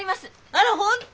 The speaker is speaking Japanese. あら本当？